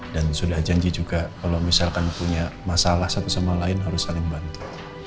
dan sudah janji juga kalau misalkan punya masalah satu sama lain harus saling bantu